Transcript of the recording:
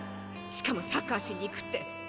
しかもサッカーしに行くって。